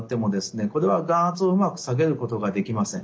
これは眼圧をうまく下げることができません。